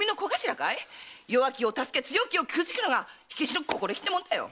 弱気を助け強気を挫くのが火消しの心意気ってもんだよ！